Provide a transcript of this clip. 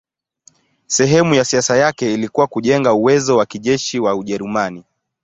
Sehemu ya siasa yake ilikuwa kujenga uwezo wa kijeshi wa Ujerumani.